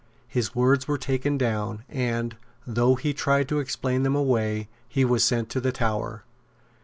His words were taken down; and, though he tried to explain them away, he was sent to the Tower.